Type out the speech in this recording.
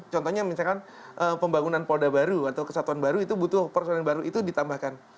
contohnya misalkan pembangunan polda baru atau kesatuan baru itu butuh persoalan baru itu ditambahkan